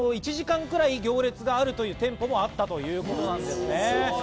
１時間ぐらい行列があるという店舗もあったということですね。